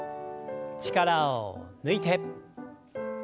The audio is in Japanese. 力を抜いて。